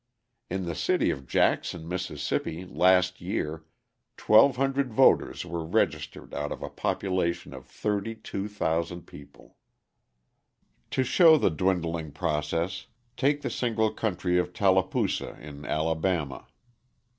In the city of Jackson, Miss., last year, 1,200 voters were registered out of a population of 32,000 people. To show the dwindling process, take the single country of Tallapoosa in Alabama.